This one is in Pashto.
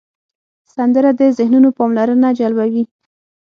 سندره د ذهنونو پاملرنه جلبوي